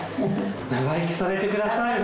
長生きされてください。